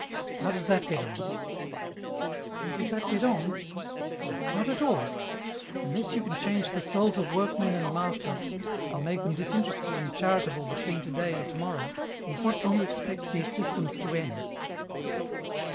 How does that get on ?"" How does that get on ? Why, not at all ! Unless you can change the souls of workmen and masters, and make them disinterested and charitable between to day and to morrow, in what can you expect these systems to end